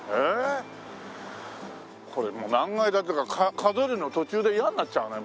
これもう何階建てか数えるの途中で嫌になっちゃうね